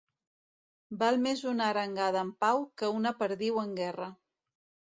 Val més una arengada en pau que una perdiu en guerra.